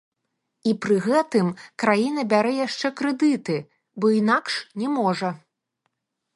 І пры гэтым краіна бярэ яшчэ крэдыты, бо інакш не можа.